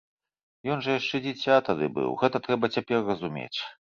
Ён жа яшчэ дзіця тады быў, гэта трэба цяпер разумець.